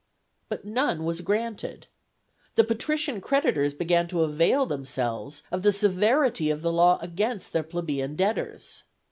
But none was granted. The patrician creditors began to avail themselves of the severity of the law against their plebeian debtors.